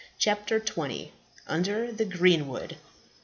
CHAPTER XX. UNDER THE GREENWOOD.